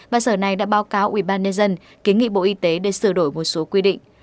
và sở này đã báo cáo ubnd kiến nghị bộ y tế để sửa đổi một số quy định